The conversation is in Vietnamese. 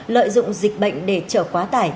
lợi dụng dịch bệnh để trở quá tải